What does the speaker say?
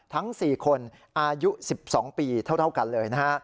ทั้ง๔คนอายุ๑๒ปีเท่ากันเลยนะฮะ